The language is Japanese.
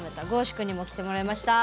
君にも来てもらいました。